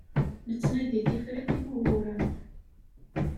Nettnadi tifrat i wuguren.